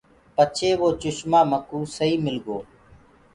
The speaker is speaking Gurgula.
پچهي وو چشمآ مڪوُ سئي مِل گو۔